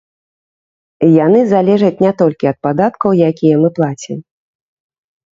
Яны залежаць не толькі ад падаткаў, якія мы плацім.